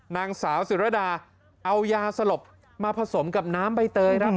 นางสาวศิรดาเอายาสลบมาผสมกับน้ำใบเตยครับ